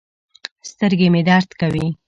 سترګې مې درد کوي